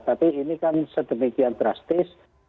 tapi ini kan sedemikian drastis